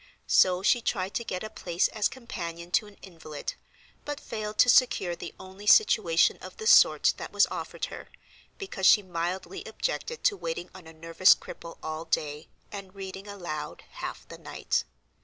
So she tried to get a place as companion to an invalid, but failed to secure the only situation of the sort that was offered her, because she mildly objected to waiting on a nervous cripple all day, and reading aloud half the night.